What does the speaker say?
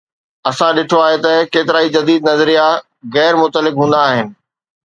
اسان ڏٺو آهي ته ڪيترائي جديد نظريا غير متعلق هوندا آهن.